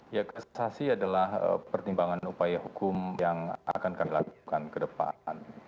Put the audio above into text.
ya kasasi adalah pertimbangan upaya hukum yang akan kami lakukan ke depan